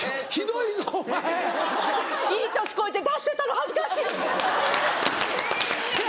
いい年こいて出してたの恥ずかしいみんな。